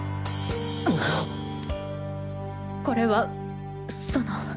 これはその。